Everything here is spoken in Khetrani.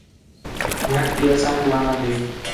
جھٹ تی اسانک لہان٘دے